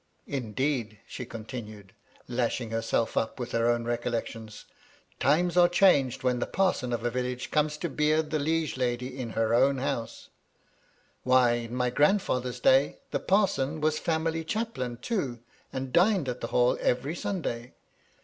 Indeed,'' she continued, lashing herself up with her own recollections, "times are changed when the parson of a village comes to beard the liege lady in her own 94 MY LADY LUDLOW. house. Why, in my grandfather's days, the parson was family chaplain too, and dined at the Hall every Sunday.